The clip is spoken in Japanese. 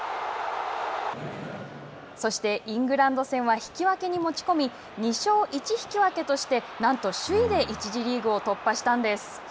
そしてイングランド戦は引き分けに持ち込み２勝１引き分けとしてなんと首位で１次リーグを突破したんです。